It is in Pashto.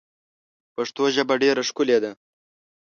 پښتو ژبه ډېره ښکلې ده.